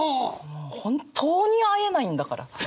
もう本当に会えないんだから！